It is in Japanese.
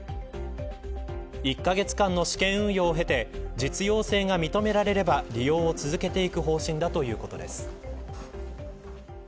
１カ月間の試験運用を経て実用性が認められれば利用を続けていく方針だということです。